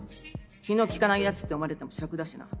気の利かないやつって思われてもしゃくだしな。